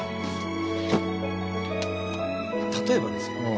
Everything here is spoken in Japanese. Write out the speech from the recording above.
例えばですよ。